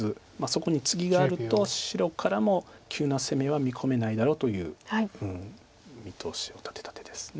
そこにツギがあると白からも急な攻めは見込めないだろうという見通しを立てた手です。